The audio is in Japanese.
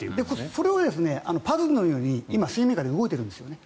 それを、パドレスのように今、水面下で動いているんですね。